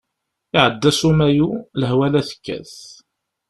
Iɛedda-d s umayu, lehwa la tekkat.